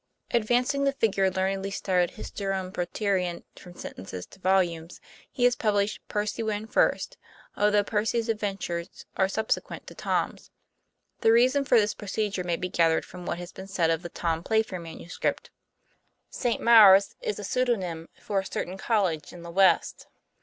Advancing the figure learnedly styled hysteron proteron from sentences to volumes, he has published 3 4 PREFACE. 1 Percy Wynn ' first, although Percy's adventures are subsequent to Tom's. The reason for this pro cedure may be gathered from what has been said of the "Tom Playfair" manuscript. St. Maure's is a pseudonym for a certain college in the West.